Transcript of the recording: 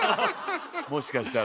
もしかしたら。